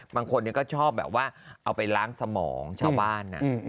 บางคนก็ชอบแบบว่าเอาไปล้างสมองชาวบ้าน